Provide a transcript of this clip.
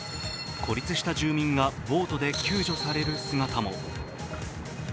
孤立した住民がボートで救助される姿も。